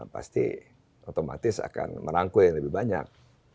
pasti otomatis akan merangkul yang lebih banyak